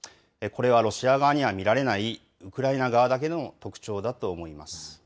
これはロシア側には見られない、ウクライナ側だけの特徴だと思います。